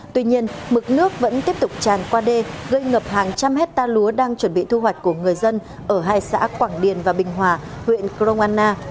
tuy nhiên mực nước vẫn tiếp tục tràn qua đê gây ngập hàng trăm hectare lúa đang chuẩn bị thu hoạch của người dân ở hai xã quảng điền và bình hòa huyện crong anna